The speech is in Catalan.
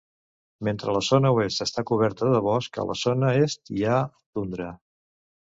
Mentre la zona oest està coberta de bosc, a la zona est hi ha tundra.